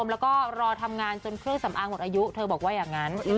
แล้วก็รอทำงานจนเครื่องสำอางหมดอายุเธอบอกว่าอย่างนั้น